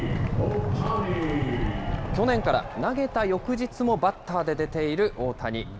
去年から投げた翌日も、バッターで出ている大谷。